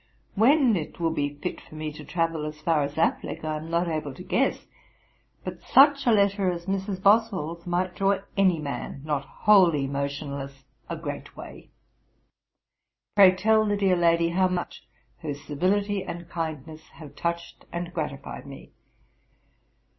'When it will be fit for me to travel as far as Auchinleck, I am not able to guess; but such a letter as Mrs. Boswell's might draw any man, not wholly motionless, a great way. Pray tell the dear lady how much her civility and kindness have touched and gratified me.